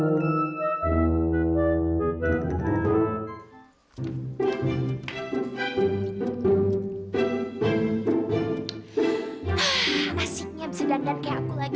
hah asiknya bisa dandan kayak aku lagi